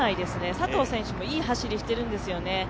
佐藤選手もいい走りしているんですよね。